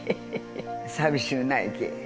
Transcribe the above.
寂しゅうないけえ。